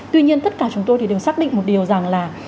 tuy nhiên tất cả chúng tôi thì đều xác định một điều rằng là